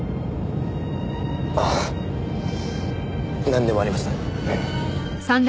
あなんでもありません。えっ！？